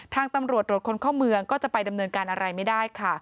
ทางตำรวจตรวจคนเข้าเมืองก็จะไปดำเนินการอะไรไม่ได้ค่ะ